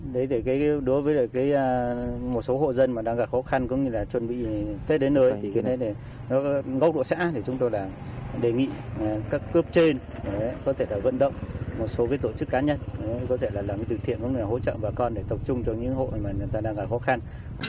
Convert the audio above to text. đấy đối với một số hộ dân mà đang gặp khó khăn cũng như là chuẩn bị tết đến nơi thì cái này nó góc độ xã thì chúng tôi là đề nghị các cấp trên có thể là vận động một số cái tổ chức cá nhân có thể là làm cái tử thiện cũng như là hỗ trợ bà con để tập trung cho những hộ mà người ta đang gặp khó khăn